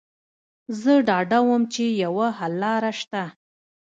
زه ډاډه وم چې یوه حل لاره شته